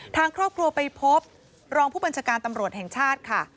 ทางครอบครัวไปพบรองผู้บัญชาการตำรวจแห่งชาติค่ะ